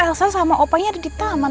elsa sama opanya ada di taman